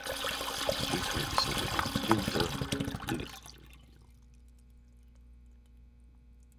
Su hija, Elizabeth Gunter, le sobrevivió.